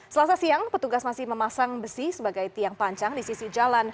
selasa siang petugas masih memasang besi sebagai tiang panjang di sisi jalan